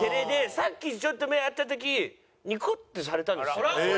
さっきちょっと目合った時ニコッてされたんですよ。